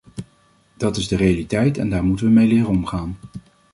Dat is de realiteit en daar moeten we mee leren omgaan.